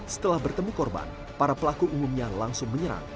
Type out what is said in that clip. setelah bertemu korban para pelaku umumnya langsung menyerang